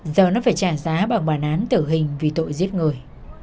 giờ nó phải trả giá bằng bản án tử hình vì tội giết người